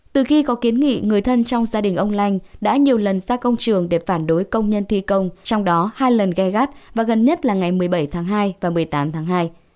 từ khi có kiến nghị người thân trong gia đình ông lanh đã nhiều lần ra công trường để phản đối công nhân thi công trong đó hai lần gai gắt và gần nhất là ngày một mươi bảy tháng hai và một mươi tám tháng hai